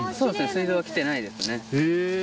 水道はきてないですね。